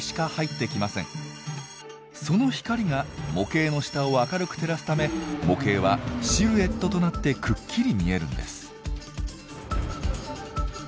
その光が模型の下を明るく照らすため模型はシルエットとなってくっきり見えるんです。